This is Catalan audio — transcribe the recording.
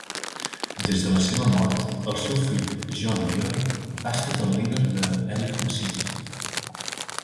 Des de la seva mort, el seu fill John Millar ha estat el líder d'Elohim City.